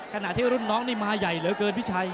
ขณะที่รุ่นน้องนี่มาใหญ่เหลือเกินพี่ชัย